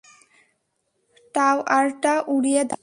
টাওয়ারটা উড়িয়ে দাও!